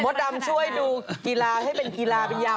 มดดำช่วยดูกีฬาให้เป็นยาวพิเศษด้วยนะคะ